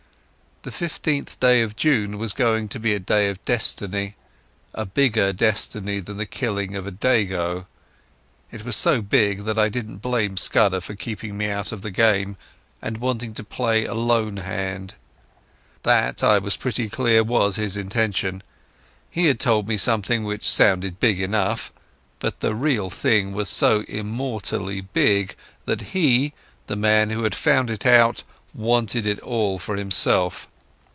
The fifteenth day of June was going to be a day of destiny, a bigger destiny than the killing of a Dago. It was so big that I didn't blame Scudder for keeping me out of the game and wanting to play a lone hand. That, I was pretty clear, was his intention. He had told me something which sounded big enough, but the real thing was so immortally big that he, the man who had found it out, wanted it all for himself.